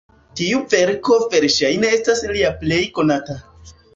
Tiu verko verŝajne estas lia plej konata.